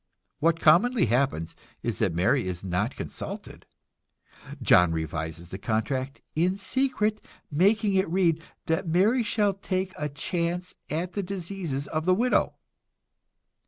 What commonly happens is that Mary is not consulted; John revises the contract in secret, making it read that Mary shall take a chance at the diseases of the widow.